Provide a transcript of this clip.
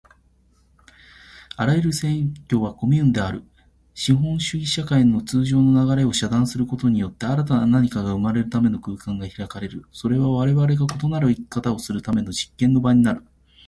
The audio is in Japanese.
あらゆる占拠はコミューンである。資本主義社会の通常の流れを遮断することによって、新たな何かが生まれるための空間が開かれる。それはわれわれが異なる生き方をするための実験の場になる。